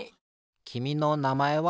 きみのなまえは？